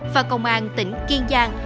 và công an tỉnh kiên giang